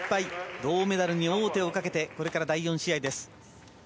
銅メダルに王手をかけてこれから第４試合です。